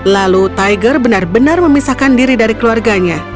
lalu tiger benar benar memisahkan diri dari keluarganya